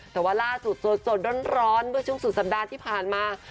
แต่ว่าล่าสุดสดร้อนเมื่อช่วงสุดสัปดาห์ที่ผ่านมา